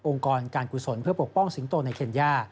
กรการกุศลเพื่อปกป้องสิงโตในเคนย่า